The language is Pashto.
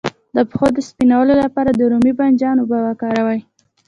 د پښو د سپینولو لپاره د رومي بانجان اوبه وکاروئ